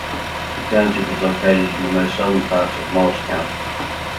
The township is located in the most southern part of Morris County.